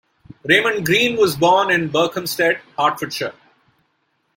Raymond Greene was born in Berkhamsted, Hertfordshire.